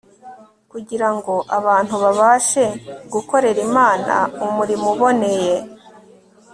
kugira ngo abantu babashe gukorera imana umurimo uboneye